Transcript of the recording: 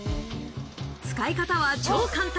使い方は超簡単。